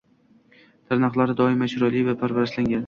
Tirnoqlari doimo chiroyli va parvarishlangan.